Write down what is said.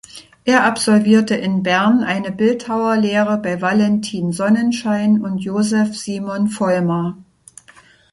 Er absolvierte in Bern eine Bildhauerlehre bei Valentin Sonnenschein und Joseph Simon Volmar.